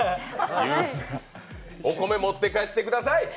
ゆーづ、お米持って帰ってください。